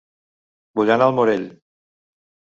Vull anar a El Morell